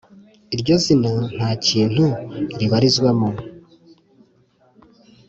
iryo zina ntakintu ribarizwamo